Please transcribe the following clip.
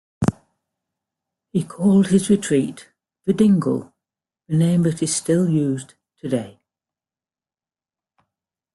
He called his retreat The Dingle, the name that is still used today.